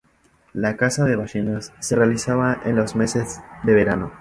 La caza de ballenas se realizaba en los meses de verano.